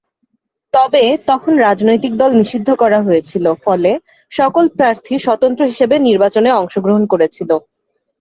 তবে তখন রাজনৈতিক দল নিষিদ্ধ করা হয়েছিল, ফলে সকল প্রার্থী স্বতন্ত্র হিসেবে নির্বাচনে অংশগ্রহণ করেছিল।